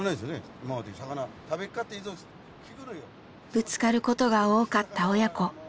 ぶつかることが多かった親子。